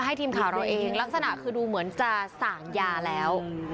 ให้ทีมข่าวเราเองลักษณะคือดูเหมือนจะสั่งยาแล้ว